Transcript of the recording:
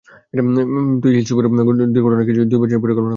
তবে হিলসবরো দুর্ঘটনায় কিছু করার জন্য দুই বছরের জন্য পরিকল্পনা করছিলেন।